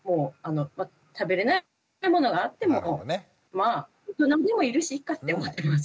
食べれないものがあってもまあ大人にもいるしいいかって思ってます。